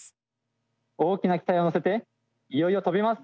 大きな期待を乗せていよいよ飛びます！